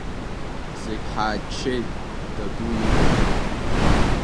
Зегьы ҳааччеит, даду ида.